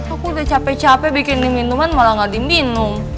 aku udah capek capek bikin minuman malah gak diminum